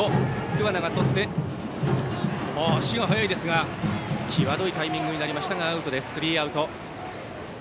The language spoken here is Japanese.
桑名がとって足が速いですが際どいタイミングになりましたがスリーアウト。